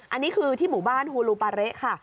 อันนี้คือที่หมู่บ้านฮูลูปาเละค่ะ